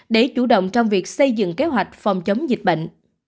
để chủ động trong việc xây dựng kế hoạch phòng chống dịch bệnh